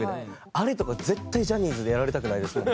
あれとか絶対ジャニーズでやられたくないですもん。